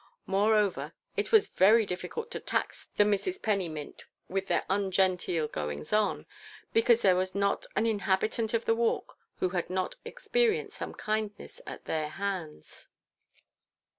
Moreover, it was very difficult to tax the Misses Pennymint with their ungenteel goings on; because there was not an inhabitant of the Walk who had not experienced some kindness at their hands.